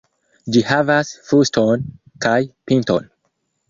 Ĝi havas fuston kaj pinton.